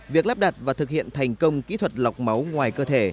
việc lắp đặt và thực hiện thành công kỹ thuật lọc máu ngoài cơ thể